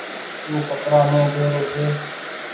او ڪترآ مي ۮيرو ڇي۔